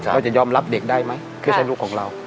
เราจะยอมรับเด็กได้ไหมคือใช้ลูกของเรา